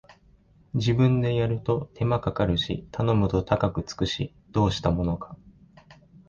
自分でやると手間かかるし頼むと高くつくし、どうしたものか